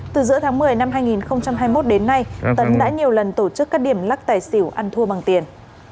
từ giữa tháng một mươi năm hai nghìn hai mươi một đến nay tấn đã nhiều lần tổ chức các điểm lắc tài xỉu ăn thua bằng tiền